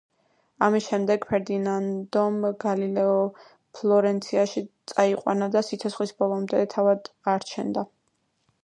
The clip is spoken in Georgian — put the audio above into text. ამის შემდეგ, ფერდინანდომ გალილეო ფლორენციაში წაიყვანა და სიცოცხლის ბოლომდე თავად არჩენდა.